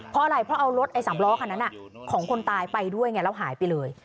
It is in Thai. เพราะอะไรเพราะเอารถไอสามล้อคันนั้นของคนตายไปด้วยไงแล้วหายไปเลย